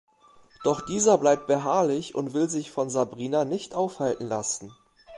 Doch dieser bleibt beharrlich und will sich von Sabrina nicht aufhalten lassen.